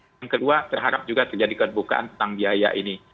yang kedua terharap juga terjadi kebukaan tentang biaya ini